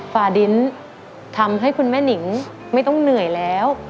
ฟาดินทำให้คุณแม่หนิงไม่ต้องเหนื่อยแล้ว